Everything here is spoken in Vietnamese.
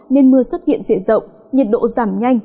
nên mưa xuất hiện diện rộng nhiệt độ giảm nhanh